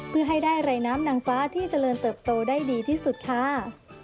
เพื่อให้ได้รายน้ำนางฟ้าที่เจริญเติบโตได้ดีที่สุดค่ะ